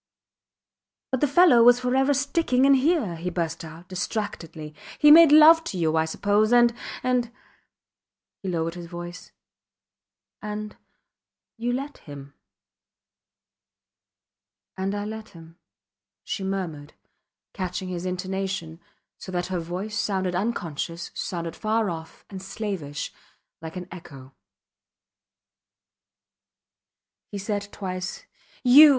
But the fellow was forever sticking in here, he burst out, distractedly. He made love to you, I suppose and, and ... He lowered his voice. And you let him. And I let him, she murmured, catching his intonation, so that her voice sounded unconscious, sounded far off and slavish, like an echo. He said twice, You!